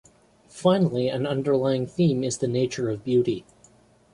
Finally, an underlying theme is the nature of beauty.